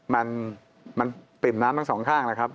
มันปริ่มน้ำทั้งสองข้างแล้วครับ